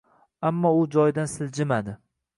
Ammo u joyidan siljimadi.